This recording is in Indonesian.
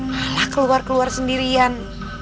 malah keluar keluar sendirian